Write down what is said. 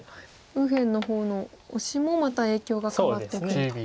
右辺の方のオシもまた影響が変わってくると。